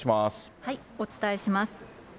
お伝えします。